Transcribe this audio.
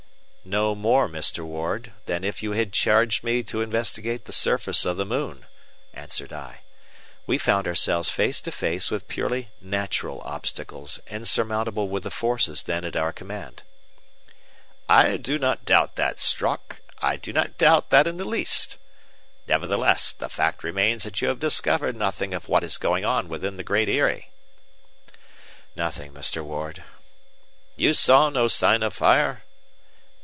"No more, Mr. Ward, than if you had charged me to investigate the surface of the moon," answered I. "We found ourselves face to face with purely natural obstacles insurmountable with the forces then at our command." "I do not doubt that, Strock, I do not doubt that in the least. Nevertheless, the fact remains that you have discovered nothing of what is going on within the Great Eyrie." "Nothing, Mr. Ward." "You saw no sign of fire?"